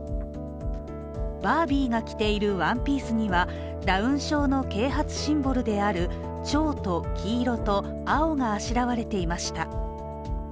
バービーが着ているワンピースにはダウン症の啓発シンボルである蝶と黄色と、青があしらわれていました。